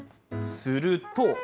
すると。